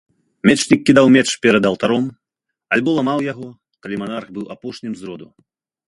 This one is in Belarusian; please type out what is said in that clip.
Мечнік кідаў меч перад алтаром, альбо ламаў яго, калі манарх быў апошнім з роду.